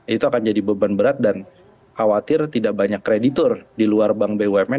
itu akan jadi beban berat dan khawatir tidak banyak kreditur di luar bank bumn